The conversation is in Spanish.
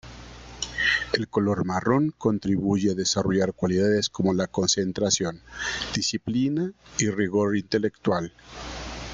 El color marrón contribuye a desarrollar cualidades como la concentración, disciplina y rigor intelectual.